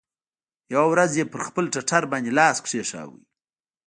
يوه ورځ يې پر خپل ټټر باندې لاس کښېښوو.